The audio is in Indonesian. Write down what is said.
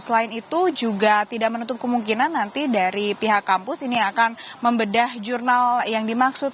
selain itu juga tidak menutup kemungkinan nanti dari pihak kampus ini akan membedah jurnal yang dimaksud